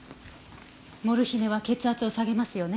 モルヒネは血圧を下げますよね。